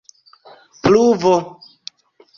pluvo